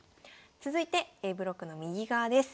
続いてＡブロックの右側です。